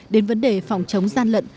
đến vấn đề phòng chống gian lận